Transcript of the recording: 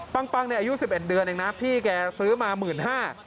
ปังในอายุ๑๑เดือนเองนะพี่แกซื้อมา๑๕๐๐บาท